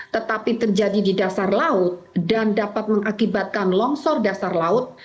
tetapi terjadi di dasar laut dan dapat mengakibatkan longsor dasar laut